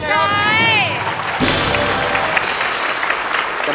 ไม่ใช้